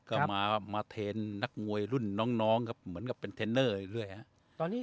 ก็มามาเทนนักมวยรุ่นน้องน้องครับเหมือนกับเป็นเทรนเนอร์อีกด้วยฮะตอนนี้